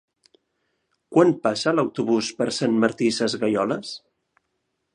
Quan passa l'autobús per Sant Martí Sesgueioles?